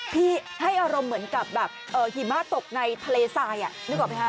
ให้อารมณ์เหมือนกับแบบหิมะตกในทะเลทรายนึกออกไหมคะ